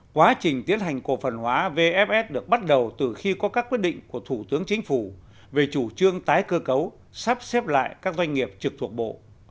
quá trình tiến hành cổ phần hóa vfs được bắt đầu từ khi có các quyết định của thủ tướng chính phủ về chủ trương tái cơ cấu sắp xếp lại các doanh nghiệp trực thuộc bộ